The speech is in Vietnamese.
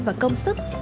và công sức